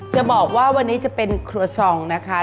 จะบอกว่าวันนี้จะเป็นครัวซองนะคะ